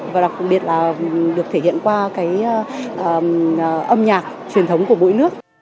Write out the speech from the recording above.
và đặc biệt là được thể hiện qua cái âm nhạc truyền thống của mỗi nước